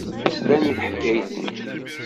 Slan i teḥkayt-nni.